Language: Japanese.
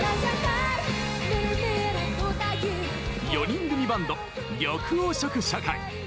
４人組バンド緑黄色社会。